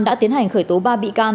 đã tiến hành khởi tố ba bị can